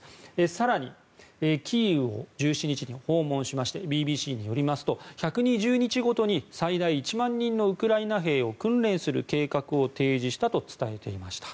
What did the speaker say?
更に、キーウを１７日に訪問しましてＢＢＣによりますと１２０日ごとに最大１万人のウクライナ兵を訓練する計画を提示したと伝えていました。